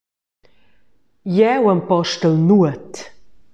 Jeu empostel nuot.